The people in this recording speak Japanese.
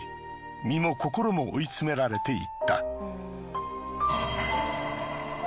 身も心も追い詰められていった。